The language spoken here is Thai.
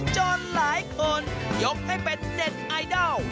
จนหลายคนยกให้เป็นเน็ตไอดอล